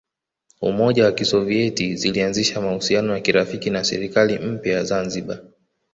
Umoja wa Kisovyeti zilianzisha mahusiano ya kirafiki na serikali mpya ya Zanzibar